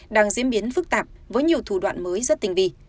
đang diễn biến phức tạp với nhiều thủ đoạn mới rất tinh vi